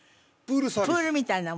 プールみたいなもの